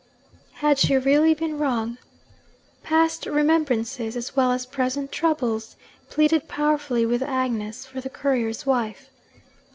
Had she really been wrong? Past remembrances, as well as present troubles, pleaded powerfully with Agnes for the courier's wife.